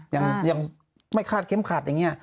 ยังไม่คาดเข็มขัดอย่างนี้